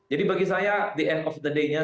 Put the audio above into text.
jadi bagi saya di end of the day nya